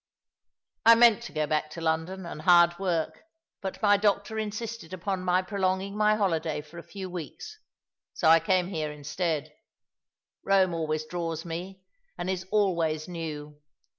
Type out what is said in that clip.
" I meant to go back to London and hard work, but my doctor insisted upon my prolonging my holiday for a few weeks, so I came here instead. Eome always draws me, and is always new.